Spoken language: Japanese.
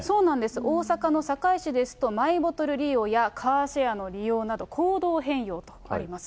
大阪のさかい市ですと、マイボトル利用やカーシェアの利用など、行動変容とあります。